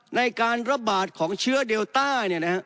ในการระบาดของเชื้อเดลต้า